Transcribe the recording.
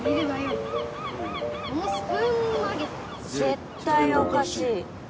絶対おかしい。